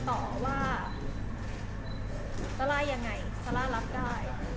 ต่อให้คนจะต่อว่าซาร่ายังไงซาร่ารับได้